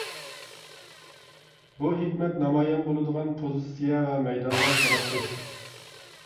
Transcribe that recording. بۇ ھېكمەت نامايان بولىدىغان پوزىتسىيە ۋە مەيدانلار ساناقسىز.